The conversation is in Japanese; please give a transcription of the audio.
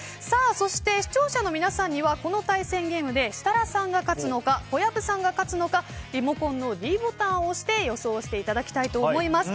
そして、視聴者の皆さんにはこの対戦ゲームで設楽さんが勝つのか小籔さんが勝つのかリモコンのｄボタンを押して予想していただきたいと思います。